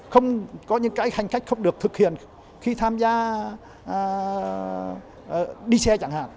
không có những cái hành khách không được thực hiện khi tham gia đi xe chẳng hạn